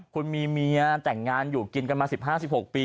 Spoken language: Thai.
คุณมีเมียแต่งงานอยู่กินกันมา๑๕๑๖ปี